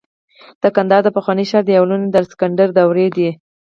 د کندهار د پخواني ښار دیوالونه د الکسندر دورې دي